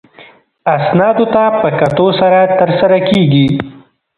اسنادو ته په کتو سره ترسره کیږي.